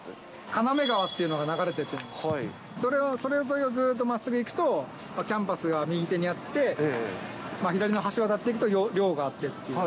金目川っていうのが流れてて、それ沿いをずっとまっすぐ行くとキャンパスが右手にあって、左の橋渡っていくと寮があってっていう。